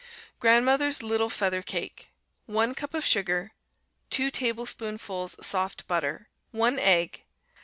Grandmother's Little Feather Cake 1 cup of sugar. 2 tablespoonfuls soft butter. 1 egg.